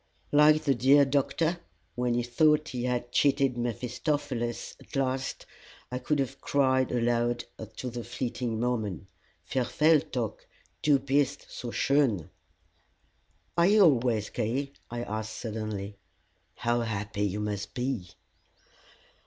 Like the great Doctor, when he thought he had cheated Mephistopheles at last, I could have cried aloud to the fleeting moment, Verweile dock, du bist so schön! "Are you always gay?" I asked, suddenly. "How happy you must be!"